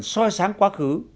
soi sáng quá khứ